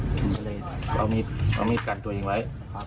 ผมก็เลยเอามีดกันตัวเองไว้